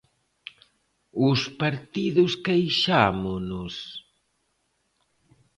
¿Os partidos queixámonos?